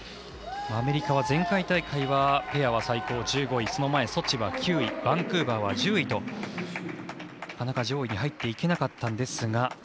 アメリカは前回大会はペアは最高１５位ソチは９位バンクーバー大会は１０位と、なかなか上位に入っていけなかったんですが。